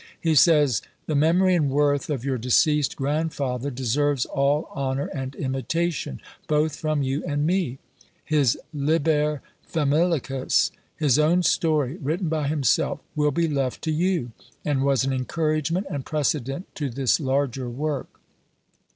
He says, "The memory and worth of your deceased grandfather deserves all honour and imitation, both from you and me; his 'Liber Famelicus,' his own story, written by himself, will be left to you, and was an encouragement and precedent to this larger work."